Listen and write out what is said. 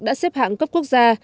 đã xếp hạng cấp quốc gia